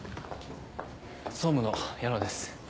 総務の矢野です。